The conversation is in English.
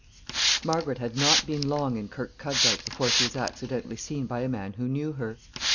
] Margaret had not been long in Kirkcudbright before she was accidentally seen by a man who knew her.